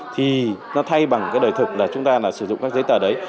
thì nó thay bằng cái đời thực là chúng ta là sử dụng các giấy tờ đấy